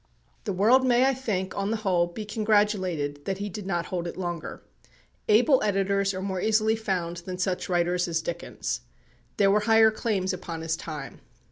The world may, I think, on the whole, be congratulated that he did not hold it longer. Able editors are more easily found than such writers as Dickens. There were higher claims upon his time.